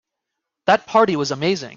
That party was amazing.